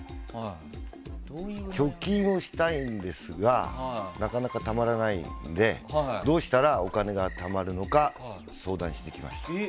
貯金をしたいんですがなかなかたまらないのでどうしたらお金がたまるのか相談しに来ました。